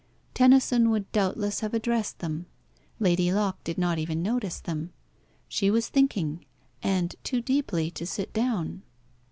Tennyson would doubtless have addressed them. Lady Locke did not even notice them. She was thinking, and too deeply to sit down.